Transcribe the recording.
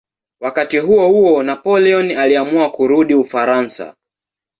Wakati huohuo Napoleon aliamua kurudi Ufaransa.